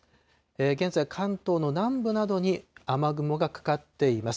現在、関東の南部などに雨雲がかかっています。